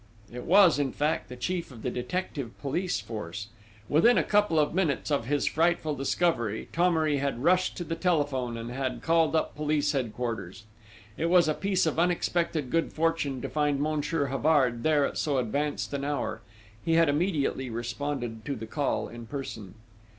It was, in fact, the chief of the detective police force. Within a couple of minutes of his frightful discovery, Thomery had rushed to the telephone and had called up Police Headquarters. It was a piece of unexpected good fortune to find Monsieur Havard there at so advanced an hour. He had immediately responded to the call in person.